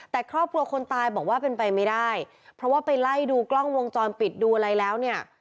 แต่ครอบครัวคนตายบอกว่าเป็นไปไม่ได้เพราะว่าไปไล่ดูกล้องวงจรปิดดูอะไรแล้วเนี่ย